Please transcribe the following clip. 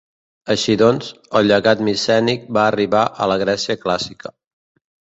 Així doncs, el llegat micènic va arribar a la Grècia clàssica.